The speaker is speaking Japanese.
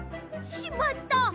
しまった！